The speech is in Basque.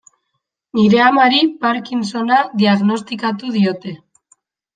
Nire amari Parkinsona diagnostikatu diote.